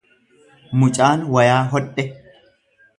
Mucaan wayaa hodhe